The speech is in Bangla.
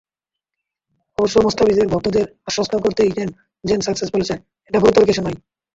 অবশ্য মুস্তাফিজের ভক্তদের আশ্বস্ত করতেই যেন সাসেক্স বলেছে, এটা গুরুতর কিছু নয়।